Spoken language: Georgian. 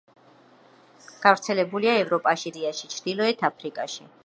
გავრცელებულია ევროპაში, ცენტრალურ და სამხრეთ აზიაში, ჩრდილოეთ აფრიკაში.